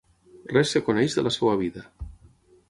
Res es coneix de la seva vida.